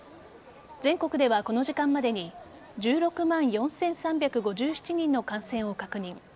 全国ではこの時間までに１６万４３５７人の感染を確認。